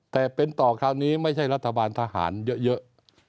แต่เป็นต่อคราวนี้ไม่ใช่รัฐบาลทหารเยอะ